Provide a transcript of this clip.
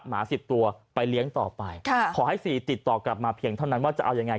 หมาสิบตัวไปเลี้ยงต่อไปค่ะขอให้ซีติดต่อกลับมาเพียงเท่านั้นว่าจะเอายังไง